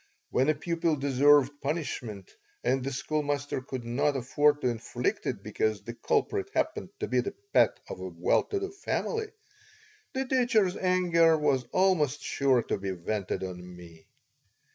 When a pupil deserved punishment and the schoolmaster could not afford to inflict it because the culprit happened to be the pet of a well to do family, the teacher's anger was almost sure to be vented on me.